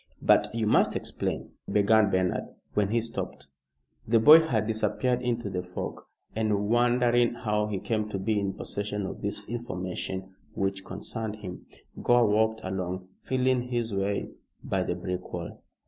"But you must explain," began Bernard, when he stopped. The boy had disappeared into the fog, and wondering how he came to be in possession of this information which concerned him, Gore walked along feeling his way by the brick wall.